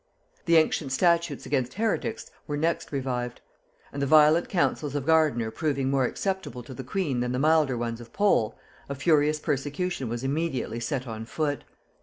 The ancient statutes against heretics were next revived; and the violent counsels of Gardiner proving more acceptable to the queen than the milder ones of Pole, a furious persecution was immediately set on foot.